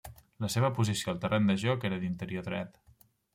La seva posició al terreny de joc era d'interior dret.